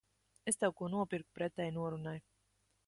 Es tev ko nopirku pretēji norunai.